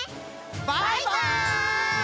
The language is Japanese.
バイバイ！